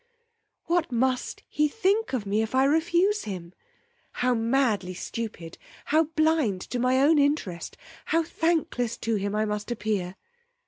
what must he think of me if I refuse him! how madly stupid, how blind to my own interest, how thankless to him must I appear!